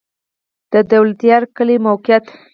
د دولتيار کلی موقعیت